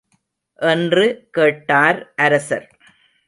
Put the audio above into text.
என்று கேட்டார் அரசர்.